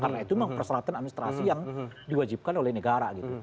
karena itu memang perseratan administrasi yang diwajibkan oleh negara gitu